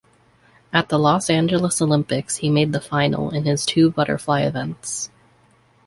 At the Los Angeles Olympics, he made the final in his two butterfly events.